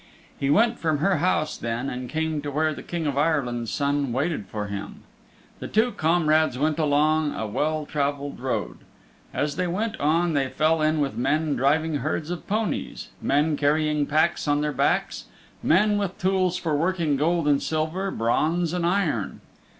He went from her house then and came to where the King of Ireland's Son waited for him. The two comrades went along a well traveled road. As they went on they fell in with men driving herds of ponies, men carrying packs on their backs, men with tools for working gold and silver, bronze and iron.